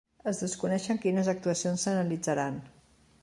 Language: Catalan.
Es desconeixen quines actuacions s'analitzaran.